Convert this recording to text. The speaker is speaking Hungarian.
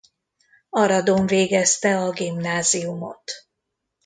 Aradon végezte a gimnáziumot.